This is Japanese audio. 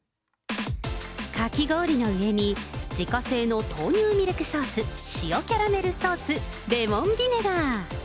かき氷の上に自家製の豆乳ミルクソース、塩キャラメルソース、レモンビネガー。